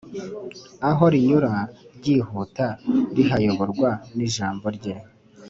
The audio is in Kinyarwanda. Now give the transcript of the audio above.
aho rinyura ryihuta rihayoborwa n’ijambo rye.